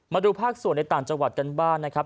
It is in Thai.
มาดูภาคส่วนในต่างจังหวัดกันบ้างนะครับ